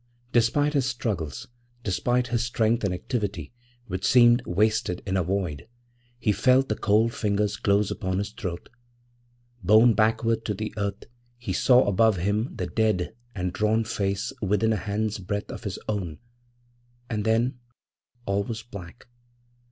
Despite his struggles despite his strength and activity, which seemed wasted in a void, he felt the cold fingers close upon his throat. Borne backward to the earth, he saw above him the dead and drawn face within a hand's breadth of his own, and then all was black.